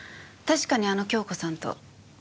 確かにあの京子さんと。